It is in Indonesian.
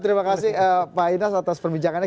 terima kasih pak inas atas perbincangannya